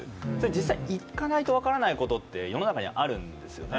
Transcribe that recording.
実際行かないと分からないことって世の中にはあるんですよね。